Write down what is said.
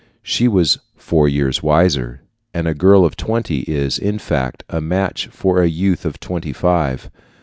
She is four years wiser; and a girl of twenty is, in fact, a match for a youth of twenty five.